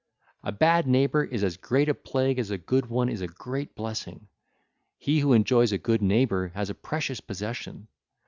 A bad neighbour is as great a plague as a good one is a great blessing; he who enjoys a good neighbour has a precious possession.